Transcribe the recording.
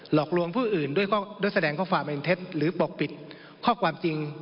หลอกลวงผู้อื่นด้วยแสดงข้อความเป็นเท็จหรือปกปิดข้อความจริง